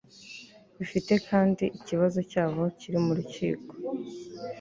bifite kandi ikibazo cyabo kiri mu rukiko